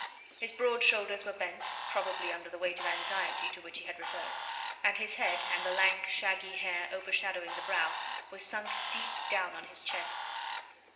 His broad shoulders were bent, probably under the weight of anxiety to which he had referred, and his head, with the lank, shaggy hair overshadowing the brow, was sunk deep down on his chest.